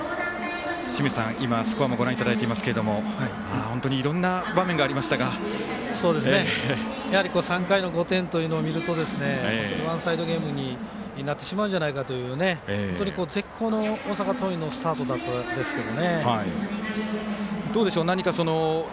清水さん、今スコアもご覧いただいていますけれども本当にいろんな場面がありましたがやはり３回の５点というのを見ると本当にワンサイドゲームになってしまうんじゃないかという本当に絶好の大阪桐蔭のスタートだったんですけどね。